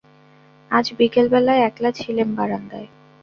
আজ বিকেলবেলায় একলা ছিলেম বারান্দায়।